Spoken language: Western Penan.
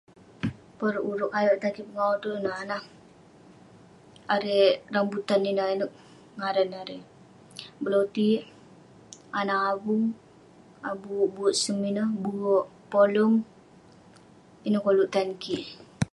porut ureuk kayu'euk tan kik pengau iteuk ineh anah erei rambutan ineuk ngaran neh erei belotik au ineh avung bu'ek bu'ek sung ineh bu'ek polung ineh koluk tan kik